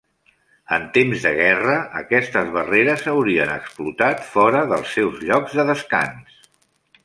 En temps de guerra, aquestes barreres haurien explotat fora dels seus llocs de descans.